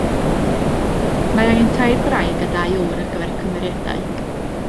Mae angen tair gwraig a dau ŵr ar gyfer y cymeriadau.